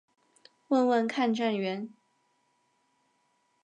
问问看站员